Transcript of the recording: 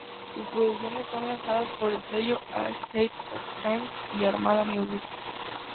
Sus producciones son lanzadas por el sello A State of Trance y Armada Music.